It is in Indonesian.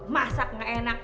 masak gak enak